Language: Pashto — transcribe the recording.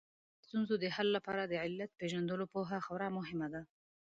د ستونزو د حل لپاره د علت پېژندلو پوهه خورا مهمه ده